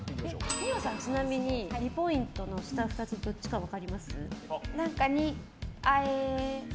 二葉さん、ちなみに２ポイントの下２つどっちか分かります？